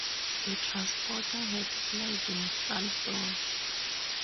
The Transporter had sliding front doors.